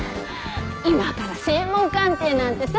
今から声紋鑑定なんてさ。